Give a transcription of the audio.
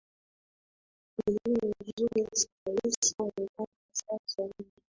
i ni mzuri kabisa mpaka sasa hivi